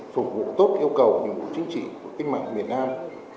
phục vụ tốt yêu cầu nhu cầu chính trị của kinh mạng biển nam